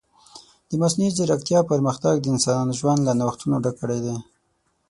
د مصنوعي ځیرکتیا پرمختګ د انسانانو ژوند له نوښتونو ډک کړی دی.